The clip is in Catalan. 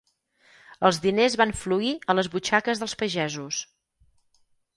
Els diners van fluir a les butxaques dels pagesos.